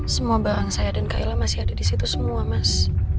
semua barang saya dan kaila masih ada di situ semua mas